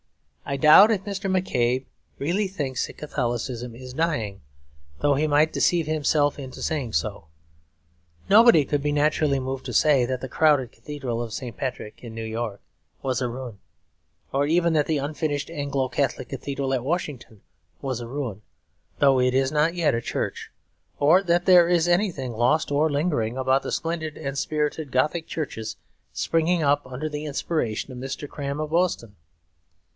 I doubt if Mr. M'Cabe really thinks that Catholicism is dying, though he might deceive himself into saying so. Nobody could be naturally moved to say that the crowded cathedral of St. Patrick in New York was a ruin, or even that the unfinished Anglo Catholic cathedral at Washington was a ruin, though it is not yet a church; or that there is anything lost or lingering about the splendid and spirited Gothic churches springing up under the inspiration of Mr. Cram of Boston.